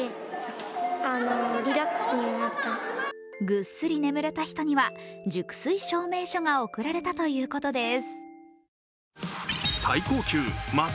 ぐっすり眠れた人には熟睡証明書が贈られたということです。